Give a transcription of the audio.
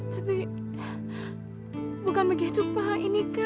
tapi bukan begitu pak ini kan